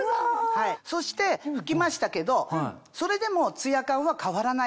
そして拭きましたけどそれでもツヤ感は変わらない。